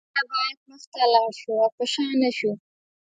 له هر څه سره باید مخ ته لاړ شو او په شا نشو.